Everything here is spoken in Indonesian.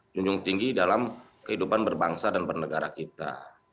junjung tinggi dalam kehidupan berbangsa dan bernegara kita